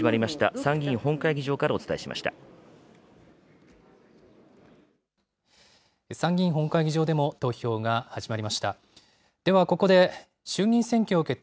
参議院本会議場でも、投票が始まりました。